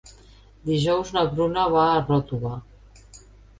Dijous na Bruna va a Ròtova.